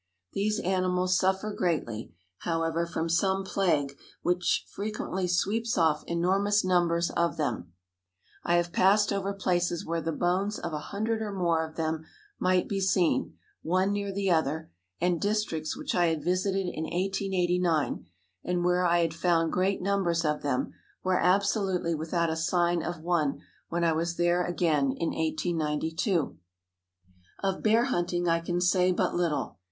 These animals suffer greatly, however, from some plague, which frequently sweeps off enormous numbers of them. I have passed over places where the bones of a hundred or more of them might be seen, one near the other; and districts which I had visited in 1889, and where I had found great numbers of them, were absolutely without a sign of one when I was there again in 1892. Of bear hunting I can say but little.